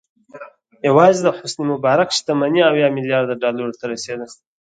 یوازې د حسن مبارک شتمني اویا میلیارده ډالرو ته رسېده.